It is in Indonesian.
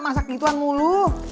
masak gituan mulu